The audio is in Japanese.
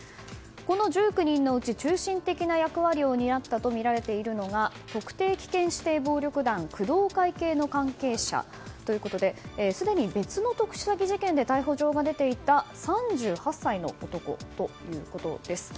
この１９人のうち中心的な役割を担ったとみられているのが特定危険指定暴力団工藤会系の関係者ということですでに別の特殊詐欺事件で逮捕状が出ていた３８歳の男ということです。